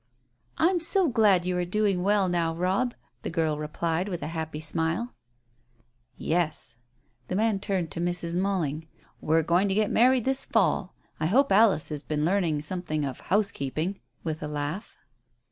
"I'm so glad you are doing well now, Robb," the girl replied, with a happy smile. "Yes." Then the man turned to Mrs. Malling. "We're going to get married this fall. I hope Alice has been learning something of housekeeping" with a laugh.